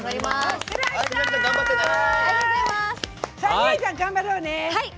美波ちゃん、頑張ろうね！